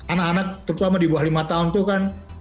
anak anak terutama di bawah lima tahun itu kan